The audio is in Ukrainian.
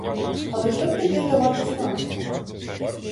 Але хто піде давати знати?